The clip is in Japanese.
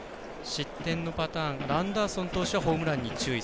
失点のパターンアンダーソン投手はホームランに注意。